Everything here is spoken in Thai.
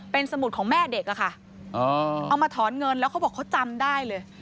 เป็นสมุดของแม่เด็กอะค่ะเอามาถอนเงินแล้วเขาบอกเขาจำได้เลย